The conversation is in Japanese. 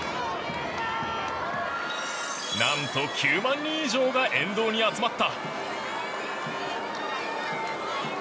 何と９万人以上が沿道に集まった。